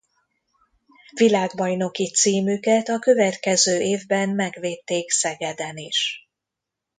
Világbajnoki címüket a következő évben megvédték Szegeden is.